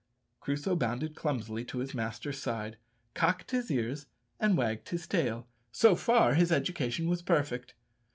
Crusoe bounded clumsily to his master's side, cocked his ears, and wagged his tail, so far his education was perfect.